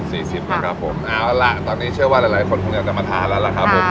นะครับผมเอาล่ะตอนนี้เชื่อว่าหลายหลายคนคงอยากจะมาทานแล้วล่ะครับผม